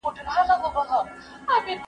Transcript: بشریت باید له ښکېلاک څخه وژغورل سي.